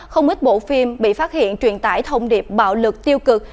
không ít bộ phim bị phát hiện truyền tải thông điệp bạo lực tiêu cực